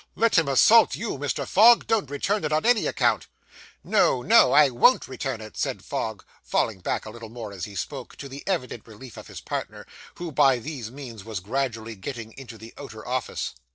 'Let him assault you, Mr. Fogg; don't return it on any account.' 'No, no, I won't return it,' said Fogg, falling back a little more as he spoke; to the evident relief of his partner, who by these means was gradually getting into the outer office.